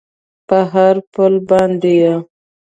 په هر پل باندې یې